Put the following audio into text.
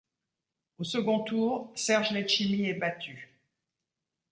Au second tour, Serge Letchimy est battu.